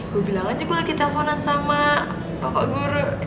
gua bilang aja gua lagi telponan sama bapak guru